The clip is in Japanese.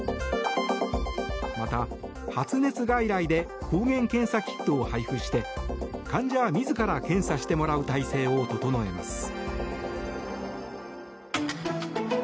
また、発熱外来で抗原検査キットを配布して患者自ら検査してもらう体制を整えます。